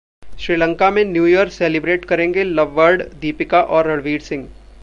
श्रीलंका में new year celebrate करेंगे lovebird Deepika और रणवीर सिंह